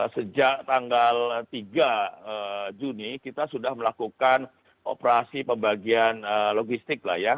sejak tanggal tiga juni kita sudah melakukan operasi pembagian logistik lah ya